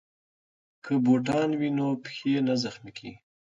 که بوټان وي نو پښې نه زخمي کیږي.